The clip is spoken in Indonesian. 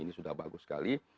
ini sudah bagus sekali